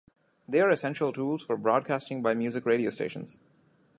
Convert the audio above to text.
They are essential tools for broadcasting by music radio stations.